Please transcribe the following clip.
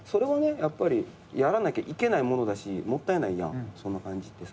やっぱりやらなきゃいけないものだしもったいないやんその感じって。